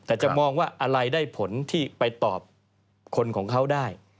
แต่จะมองว่าอะไรได้ผลที่ไปตอบคนของเขาได้